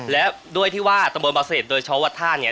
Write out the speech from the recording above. และด้วยที่ว่าตำบลบังเศรษฐ์โดยช้อวัทธาเนี่ย